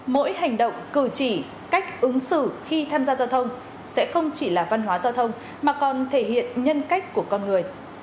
mỗi hành động cử chỉ cách ứng xử khi tham gia giao thông sẽ không chỉ là văn hóa giao thông mà còn thể hiện nhân cách của con người